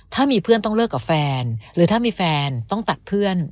ถ้ามีเพื่อนต้องเลิกกับแฟนหรือถ้ามีแฟนต้องตัดเพื่อน